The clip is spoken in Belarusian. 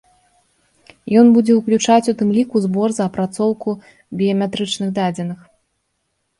Ён будзе ўключаць у тым ліку збор за апрацоўку біяметрычным дадзеных.